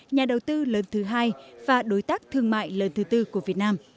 nhà đầu tư lớn thứ hai và đối tác thương mại lớn thứ tư của việt nam